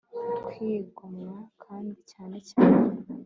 kwigomwa kandi cyane cyane